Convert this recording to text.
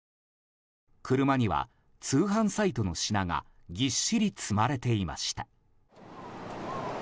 車には、通販サイトの品がぎっしり積まれていました。